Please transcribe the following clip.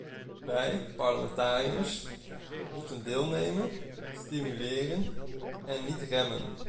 Wij, parlementariërs, moeten deelnemen, stimuleren, en niet remmen.